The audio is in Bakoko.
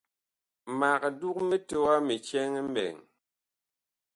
Mag dug mitowa mi cɛŋ mɓɛɛŋ.